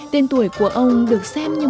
tên tuổi của ông được xem như